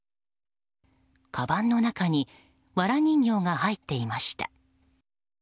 かばんの中にわら人形が入っていました。